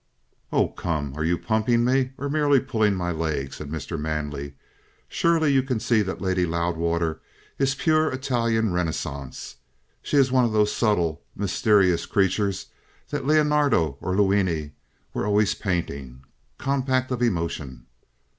"Oh, come! Are you pumping me or merely pulling my leg?" said Mr. Manley. "Surely you can see that Lady Loudwater is pure Italian Renaissance. She is one of those subtle, mysterious creatures that Leonardo and Luini were always painting, compact of emotion."